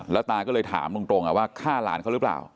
แล้วตาก็เลยถามตรงว่าฆ่าหลานเขาหรือเปล่า